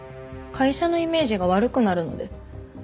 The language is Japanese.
会社のイメージが悪くなるので。